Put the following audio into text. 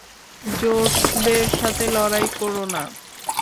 জেটসদের সাথে লড়াই করো না।